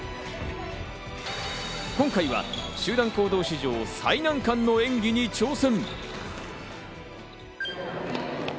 今回は集団行動史上、最難関の演技に挑戦！